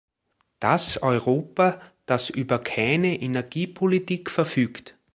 Das Europa, das über keine Energiepolitik verfügt?